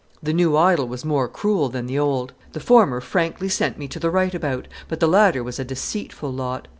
The new idol was more cruel than the old. The former frankly sent me to the right about, but the latter was a deceitful lot.